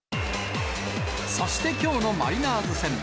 そしてきょうのマリナーズ戦。